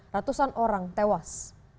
ratusan orang tewas